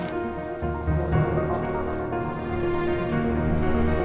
tadi kayaknya bukan ini orangnya